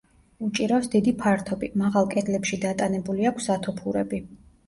უჭირავს დიდი ფართობი, მაღალ კედლებში დატანებული აქვს სათოფურები.